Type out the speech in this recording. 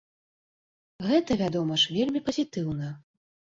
Гэта, вядома ж, вельмі пазітыўна.